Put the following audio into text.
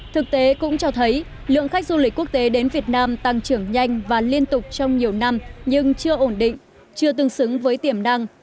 thực tế cũng cho thấy lượng khách du lịch quốc tế đến việt nam tăng trưởng nhanh và liên tục trong nhiều năm nhưng chưa ổn định chưa tương xứng với tiềm năng